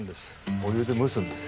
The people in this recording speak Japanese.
お湯で蒸すんです。